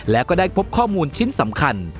และก็ได้พบข้อมูลชิ้นสำคัญ